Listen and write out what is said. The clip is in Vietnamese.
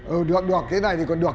ừ được thế này thì còn được